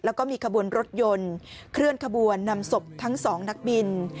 แล้วก็มีขบวนรถยนต์เคลื่อนขบวนนำศพทั้งสองนักบิน